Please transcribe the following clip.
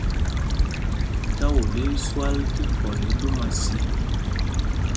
Táwol í í swal tí kɔl í ɗúma sī.